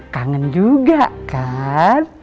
kangen juga kan